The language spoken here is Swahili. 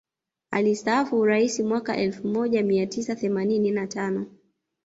alistafu uraisi mwaka elfu moja mia tisa themanini na tano